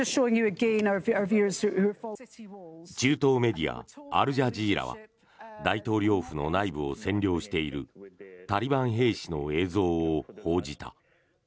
中東メディア、アルジャジーラは大統領府の内部を占領しているタリバン兵士の映像を報じた。